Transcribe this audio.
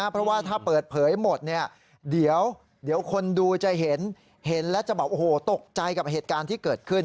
เพราะว่าถ้าเปิดเผยหมดเนี่ยเดี๋ยวคนดูจะเห็นเห็นแล้วจะแบบโอ้โหตกใจกับเหตุการณ์ที่เกิดขึ้น